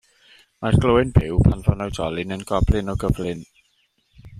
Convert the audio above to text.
Mae'r glöyn byw, pan fo'n oedolyn yn goblyn o gyflym.